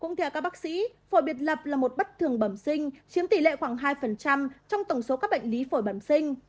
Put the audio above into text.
cũng theo các bác sĩ phổi biệt lập là một bất thường bẩm sinh chiếm tỷ lệ khoảng hai trong tổng số các bệnh lý phổi bẩm sinh